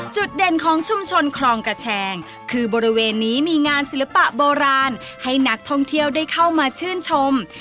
จุดเด่นของชุมชนคลองกระแชงคือบริเวณนี้มีงานศิลปะโบราณให้นักท่องเที่ยวได้เข้ามาชื่นชม